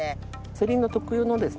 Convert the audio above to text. セリの特有のですね